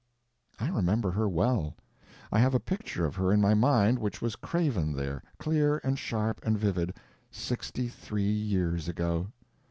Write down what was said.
I remember her well. I have a picture of her in my mind which was graven there, clear and sharp and vivid, sixty three years ago.